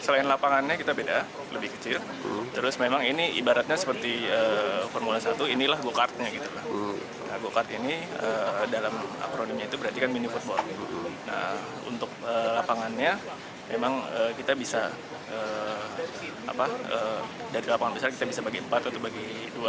lapangannya memang kita bisa dari lapangan besar kita bisa bagi empat atau bagi dua